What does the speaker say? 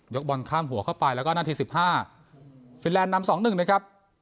บอลข้ามหัวเข้าไปแล้วก็นาทีสิบห้าฟินแลนด์นำสองหนึ่งนะครับ